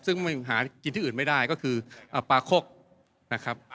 ซึ่งหากินที่อื่นไม่ได้ก็คือปลาคกนะครับ